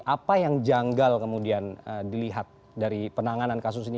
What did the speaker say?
apa yang janggal kemudian dilihat dari penanganan kasus ini